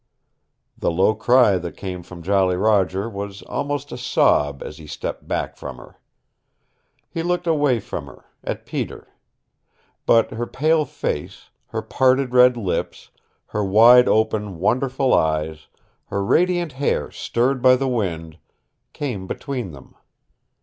The low cry that came from Jolly Roger was almost a sob as he stepped back from her. He looked away from her at Peter. But her pale face, her parted red lips, her wide open, wonderful eyes, her radiant hair stirred by the wind came between them.